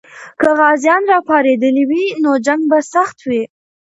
که غازیان راپارېدلي وي، نو جنګ به سخت وي.